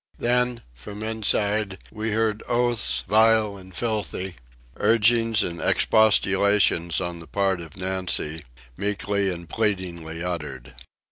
Then, from inside, we heard oaths, vile and filthy, urgings and expostulations on the part of Nancy, meekly and pleadingly uttered.